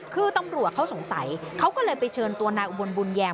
คือตำรวจเขาสงสัยเขาก็เลยไปเชิญตัวนายอุบลบุญแยม